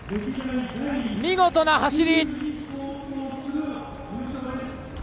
見事な走り！